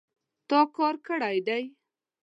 تا کار کړی دی